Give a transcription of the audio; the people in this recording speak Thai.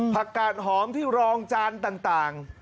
กาดหอมที่รองจานต่าง